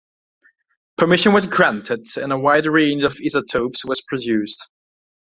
Permission was granted, and a wide range of isotopes was produced.